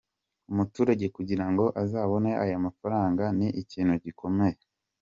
Umuturage kugira ngo azabone ayo mafaranga ni ikintu gikomeye.